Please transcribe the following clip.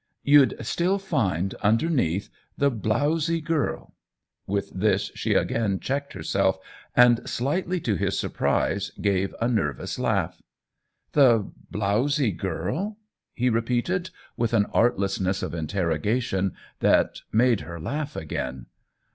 " You'd still find, underneath, the blowzy girl —" With this she again checked her self and, slightly to his surprise, gave a nervous laugh. " The blowzy girl ?" he repeated, with an artlessness of interrogation that made her laugh again.